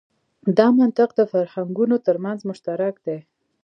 دا منطق د فرهنګونو تر منځ مشترک دی.